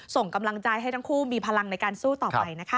ส่งกำลังใจให้ทั้งคู่มีพลังในการสู้ต่อไปนะคะ